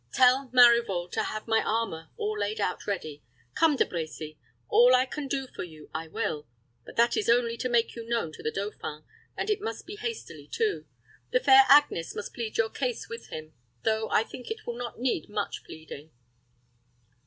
Tell Marivault to have my armor all laid out ready. Come, De Brecy, all I can do for you I will. But that is only to make you known to the dauphin, and it must be hastily too. The fair Agnes must plead your cause with him, though I think it will not need much pleading."